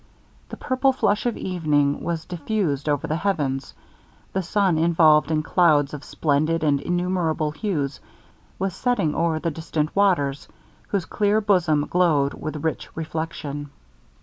The purple flush of evening was diffused over the heavens. The sun, involved in clouds of splendid and innumerable hues, was setting o'er the distant waters, whose clear bosom glowed with rich reflection.